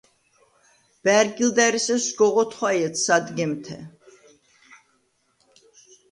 ბა̈რგილდა̈რ ესერ სგოღ ოთხვაჲედ სადგემთე.